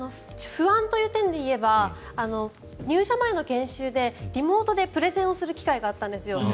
不安という点でいえば入社前の研修でリモートでプレゼンをする機会があったんですよ。